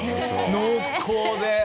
濃厚で。